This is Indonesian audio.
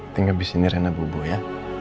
tinggal disini rena bubo ya